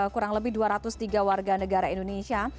kurang lebih dua ratus tiga warga negara indonesia